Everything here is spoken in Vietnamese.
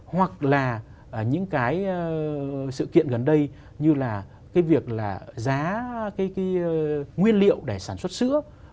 hoặc là những cái sự kiện gần đây như là cái việc là giá cái nguyên liệu để sản xuất sữa